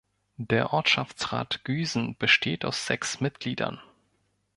Der Ortschaftsrat Güsen besteht aus sechs Mitgliedern.